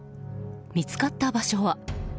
見つかった場所は。